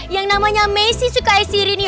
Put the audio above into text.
yang namanya messi suka esir ini